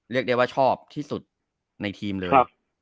เรียกได้ว่าชอบที่สุดในทีมเลย